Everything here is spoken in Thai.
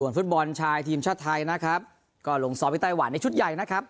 ฟุตบอลชายทีมชาติไทยนะครับก็ลงซ้อมที่ไต้หวันในชุดใหญ่นะครับ